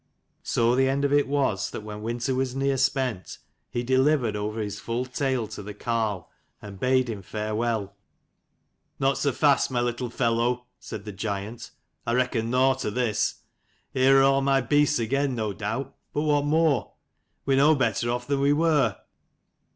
So the end of it was that when winter was near spent he delivered over his full tale to the carle, and bade him farewell. " Not so fast, my little fellow," said the giant. "I reckon nought of this. Here are all my beasts again, no doubt: but what more? We 108 are no better off than we were.'